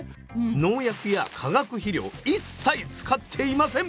農薬や化学肥料一切使っていません！